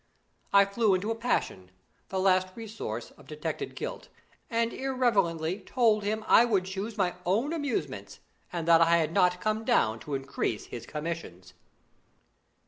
I flew into a passion the last resource of detected guilt and irrelevantly told him I would choose my own amusements, and that I had not come down to increase his commissions.